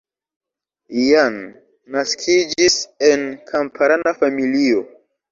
Jan naskiĝis en kamparana familio.